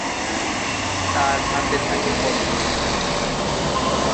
তার হাতে থাকে পদ্ম।